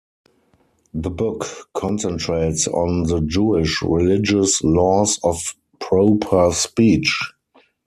The book concentrates on the Jewish religious laws of proper speech.